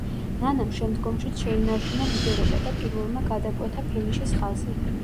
ნანამ შემდგომშიც შეინარჩუნა ლიდერობა და პირველმა გადაკვეთა ფინიშის ხაზი.